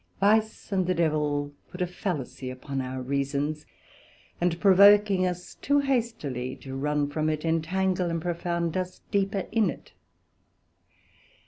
Vice and the Devil put a Fallacy upon our Reasons, and provoking us too hastily to run from it, entangle and profound us deeper in it.